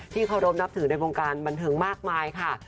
เคารพนับถือในวงการบันเทิงมากมายค่ะ